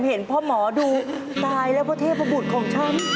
เห็นพ่อหมอดูตายแล้วเพราะเทพบุตรของฉัน